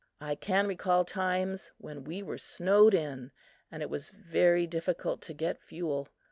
I can recall times when we were snowed in and it was very difficult to get fuel.